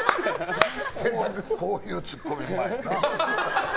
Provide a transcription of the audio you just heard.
こういうツッコミうまいな。